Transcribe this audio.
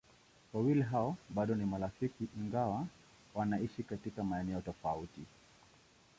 Wawili hao bado ni marafiki ingawa wanaishi katika maeneo tofauti.